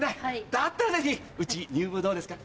だったらぜひうち入部どうですか？